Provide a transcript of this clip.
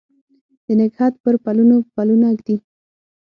د نګهت پر پلونو پلونه ږدي